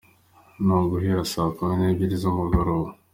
Ni uguhera saa kumi n’ebyiri z’umugoroba.